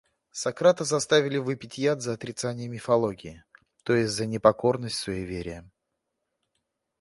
Сократа заставили выпить яд за отрицание мифологии, то есть за непокорность суевериям.